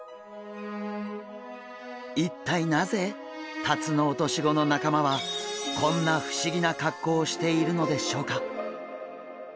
一体なぜタツノオトシゴの仲間はこんな不思議な格好をしているのでしょうか？